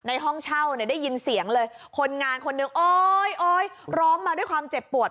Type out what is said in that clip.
ในห้องเช่าได้ยินเสียงเลยคนงานคนนึงโอ๊ยล้อมมาด้วยความเจ็บปวด